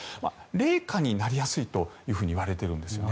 冷夏になりやすいというふうにいわれているんですよね。